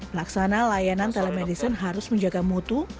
pelaksana layanan telemedicine harus menjaga mutu